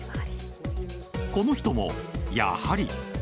この人もやはり。